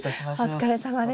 お疲れさまです。